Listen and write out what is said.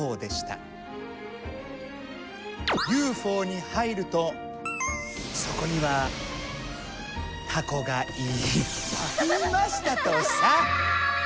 ＵＦＯに入るとそこにはタコがいっぱいいましたとさ。